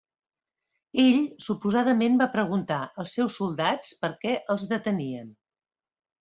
Ell suposadament va preguntar als seus soldats per què els detenien.